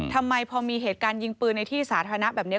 ทำไมพอมีเหตุการณ์ยิงปืนในที่สาธารณะแบบนี้